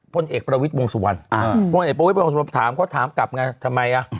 พลเอกประวิทย์มงสวรรค์พลเอกประวิทย์มงสวรรค์ถามกลับทำไม